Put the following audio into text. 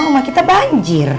kalau rumah kita banjir